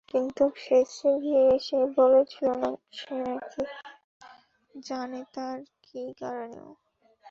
কিন্তু শেষে গিয়ে, সে বলেছিল সে নাকি জানে তার কী করণীয়।